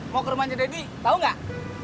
mau ke rumahnya daddy tau gak